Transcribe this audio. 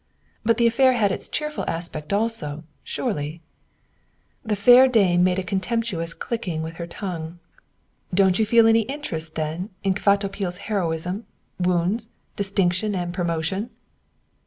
"But the affair had its cheerful aspect also, surely?" The fair dame made a contemptuous clicking with her tongue. "Don't you feel any interest, then, in Kvatopil's heroism, wounds, distinction, and promotion?"